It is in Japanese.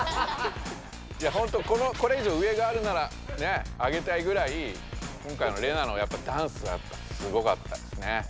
いやほんとこれいじょう上があるならあげたいぐらい今回のレナのやっぱダンスがすごかったですね。